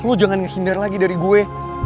lu jangan ngehindar lagi dari gue